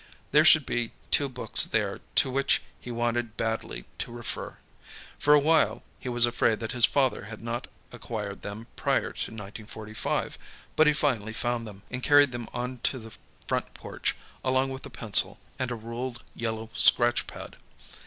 There should be two books there to which he wanted badly to refer. For a while, he was afraid that his father had not acquired them prior to 1945, but he finally found them, and carried them onto the front porch, along with a pencil and a ruled yellow scratch pad.